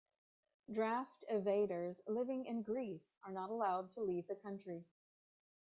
Draft evaders living in Greece are not allowed to leave the country.